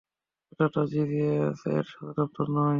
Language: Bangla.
এটাতো ডিজিএসই এর সদরদপ্তর নয়।